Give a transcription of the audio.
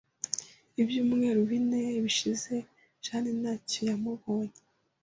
Ibyumweru bine bishize, Jane ntacyo yamubonye.